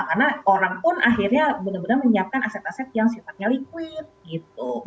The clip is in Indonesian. karena orang pun akhirnya benar benar menyiapkan aset aset yang sifatnya liquid gitu